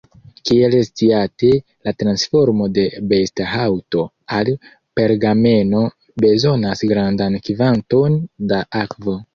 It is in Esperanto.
Kiel sciate, la transformo de besta haŭto al pergameno bezonas grandan kvanton da akvo.